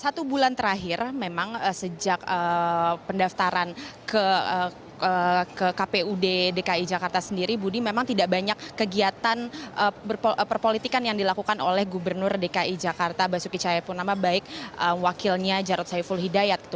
satu bulan terakhir memang sejak pendaftaran ke kpud dki jakarta sendiri budi memang tidak banyak kegiatan perpolitikan yang dilakukan oleh gubernur dki jakarta basuki cahaya purnama baik wakilnya jarod saiful hidayat